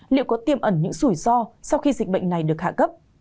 liệu có tiêm ẩn những rủi ro sau khi dịch bệnh này được hạ cấp